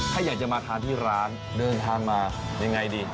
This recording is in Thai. ถ้าอยากจะมาทานที่ร้านเดินทางมายังไงดี